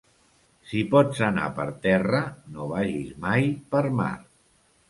Si pots anar per terra no vagis mai per mar.